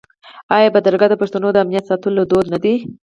آیا بدرګه د پښتنو د امنیت ساتلو دود نه دی؟